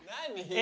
え！？